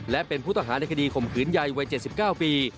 และเป็นผู้ต้องหาในคดีข่มขืนใยวัย๗๙ปี